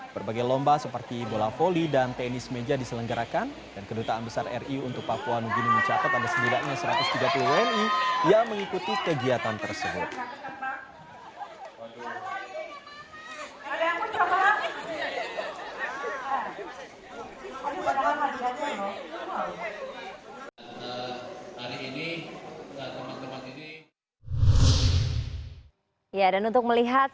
berbagai lomba seperti bola voli dan tenis meja diselenggarakan dan kedutaan besar ri untuk papua nugini mencatat ada sendiriannya satu ratus tiga puluh wni yang mengikuti kegiatan tersebut